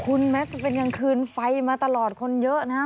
คุณแม้จะเป็นกลางคืนไฟมาตลอดคนเยอะนะฮะ